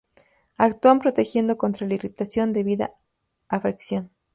Actúan protegiendo contra la irritación debida a fricción.